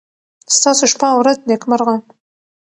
ستاسو شپه او ورځ نېکمرغه.